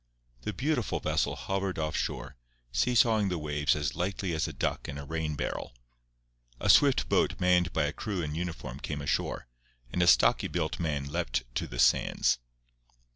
The beautiful vessel hovered off shore, see sawing the waves as lightly as a duck in a rain barrel. A swift boat manned by a crew in uniform came ashore, and a stocky built man leaped to the sands.